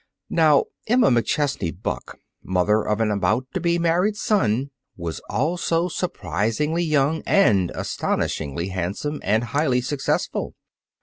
Now, Emma McChesney Buck, mother of an about to be married son, was also surprisingly young and astonishingly handsome and highly successful.